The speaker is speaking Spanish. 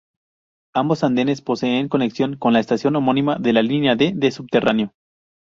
Ambos andenes poseen conexión con la estación homónima de la Línea D de subterráneo.